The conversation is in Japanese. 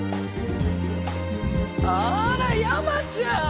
あらヤマちゃん！